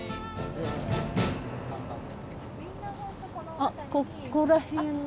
あっここら辺が。